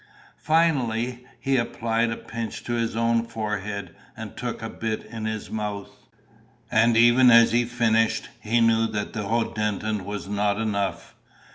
Finally, he applied a pinch to his own forehead and took a bit in his mouth. And even as he finished, he knew that hoddentin was not enough.